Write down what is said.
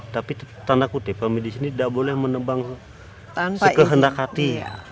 tapi tanda kutip kami di sini tidak boleh menebang sekehendak hati